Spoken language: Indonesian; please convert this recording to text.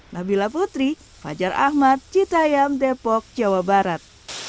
nabila putri fajar ahmad cita yam depok jawa barat